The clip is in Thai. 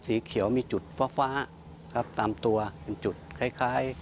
สีเขียวมีจุดฟ้าฟ้าครับตามตัวเป็นจุดคล้าย